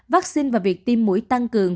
vaccine và việc tiêm mũi tăng cường